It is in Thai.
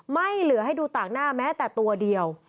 ไม่เหลือให้ดูต่างหน้าแม้แต่ตัวเดียว